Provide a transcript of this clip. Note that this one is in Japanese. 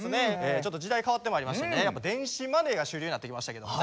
ちょっと時代変わってまいりましてねやっぱ電子マネーが主流になってきましたけどもね。